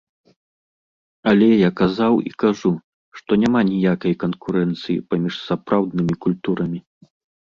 Але я казаў і кажу, што няма ніякай канкурэнцыі паміж сапраўднымі культурамі.